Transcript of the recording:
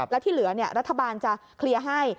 แล้วที่เหลือรัฐบาลจะเคลียร์ให้